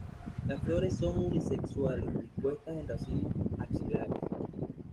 Las flores son unisexuales, dispuestas en racimos axilares.